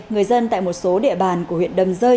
người dân tại một số địa bàn của huyện đầm rơi